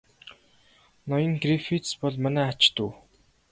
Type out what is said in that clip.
Ноён Грифитс бол манай ач дүү.